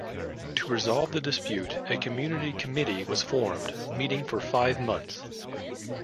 To resolve the dispute, a community committee was formed, meeting for five months.